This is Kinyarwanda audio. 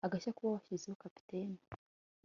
Agashya kuva uwashizeho Kapiteni